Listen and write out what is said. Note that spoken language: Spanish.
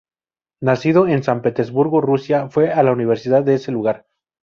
Nacido en San Petersburgo, Rusia, fue a la Universidad de ese lugar.